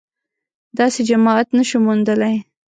داسې جماعت نه شو موندلای